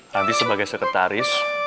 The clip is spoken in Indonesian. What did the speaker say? nanti sebagai sekretaris